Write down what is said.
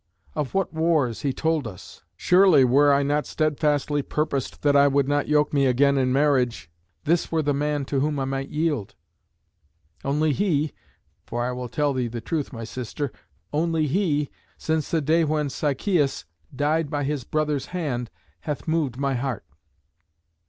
Of what wars he told us! Surely were I not steadfastly purposed that I would not yoke me again in marriage, this were the man to whom I might yield. Only he for I will tell thee the truth, my sister only he, since the day when Sichæus died by his brother's hand, hath moved my heart.